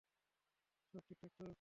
সব ঠিকঠাক তো?